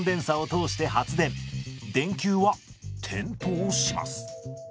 電球は点灯します。